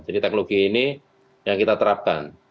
jadi teknologi ini yang kita terapkan